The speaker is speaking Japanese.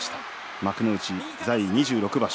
幕内在位２６場所